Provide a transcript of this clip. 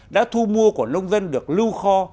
đã thu mua của nông dân được lưu kho